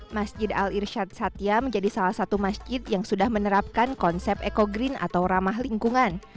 masjid al irshad satya menjadi salah satu masjid yang sudah menerapkan konsep eco green atau ramah lingkungan